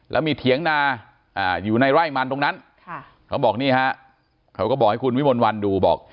แล้วมีเถียงนาอยู่ในไร่มันตรงนั้นเขาบอกนี่ฮะเขาก็บอกให้คุณวิมลวันดูบอก